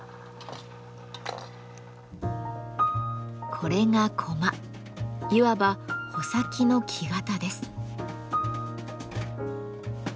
これがいわば穂先の木型です。